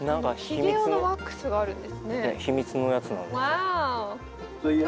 秘密のやつなの？